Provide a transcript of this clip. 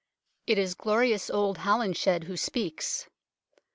It is glorious old Holinshed who speaks.